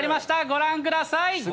ご覧ください。